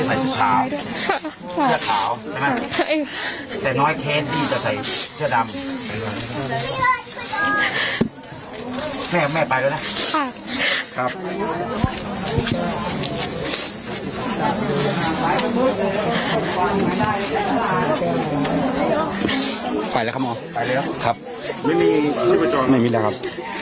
ไปแล้วคะหมอครับไม่มีไม่มีแล้วครับไปแล้วไปแล้ว